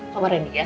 sama randy ya